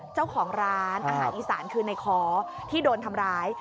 เจ้าของร้านอาหารอีสานคือในค้อที่โดนทำร้าย